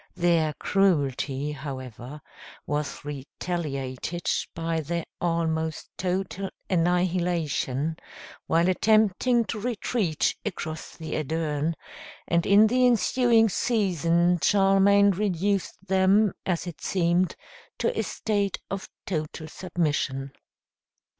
Their cruelty, however, was retaliated by their almost total annihilation while attempting to retreat across the Adern, and in the ensuing season Charlemagne reduced them, as it seemed, to a state of total submission.